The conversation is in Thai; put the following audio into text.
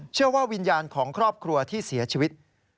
เชื่อว่าวิญญาณของครอบครัวที่เสียชีวิต